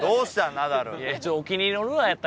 ナダル。